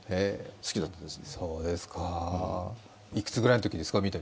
三谷さん、いくつぐらいのときですか。